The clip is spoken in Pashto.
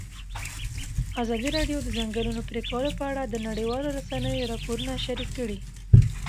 ازادي راډیو د د ځنګلونو پرېکول په اړه د نړیوالو رسنیو راپورونه شریک کړي.